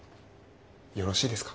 よろしいですか？